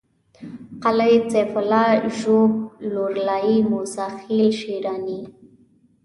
قلعه سيف الله ژوب لورلايي موسی خېل شېراني